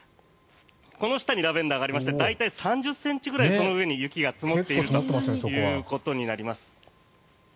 この下にラベンダーがありまして大体３０ｃｍくらいその上に雪が積もっているということになります。